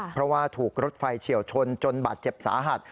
เพราะว่าถูกรถไฟเฉียวชนจนบาดเจ็บสาหัส